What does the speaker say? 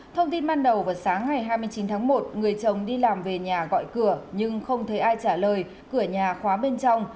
thông tin ban đầu vào sáng ngày hai mươi chín tháng một người chồng đi làm về nhà gọi cửa nhưng không thấy ai trả lời cửa nhà khóa bên trong